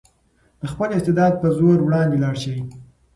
د خپل استعداد په زور وړاندې لاړ شئ.